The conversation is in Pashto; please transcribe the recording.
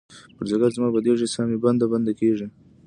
پر ځیګــر زما بیدیږې، سا مې بنده، بنده کیږې